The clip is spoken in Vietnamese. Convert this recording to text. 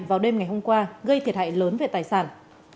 vào đêm ngày hôm qua gây thiệt hại lớn về tài sản